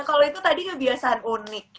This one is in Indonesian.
kalau itu tadi kebiasaan unik